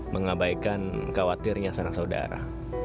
mengabaikan khawatirnya sana saudara